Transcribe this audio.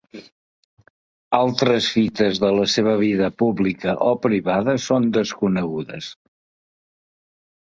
Altres fites de la seva vida publica o privada són desconegudes.